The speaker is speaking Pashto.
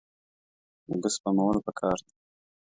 اوبه سپمول پکار دي.